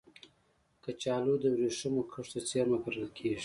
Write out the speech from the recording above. کچالو د ورېښمو کښت ته څېرمه کرل کېږي